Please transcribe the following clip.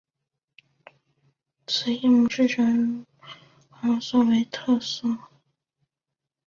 以硬木制成的蒙特卡洛枪托为特色。